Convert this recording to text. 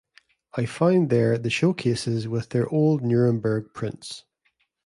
I found there the show-cases with their old Nuremberg prints.